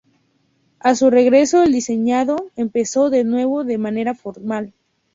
A su regreso el diseño empezó de nuevo de manera formal.